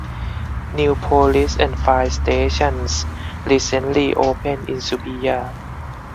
New police and fire stations recently opened in Subiya.